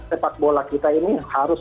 sepak bola kita ini harus